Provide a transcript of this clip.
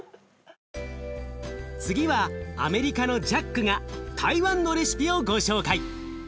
次はアメリカのジャックが台湾のレシピをご紹介。